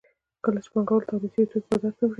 کله چې پانګوال تولید شوي توکي بازار ته وړي